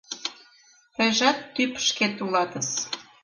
Тыйжат тӱп шкет улатыс.